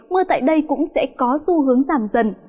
mưa tại đây cũng sẽ có xu hướng giảm dần